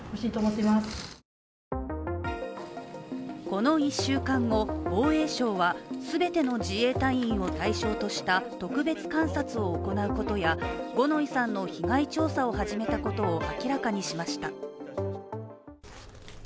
この１週間後、防衛省は全ての自衛隊員を対象とした特別監察を行うことや五ノ井さんの被害調査を始めたことを明らかにしました。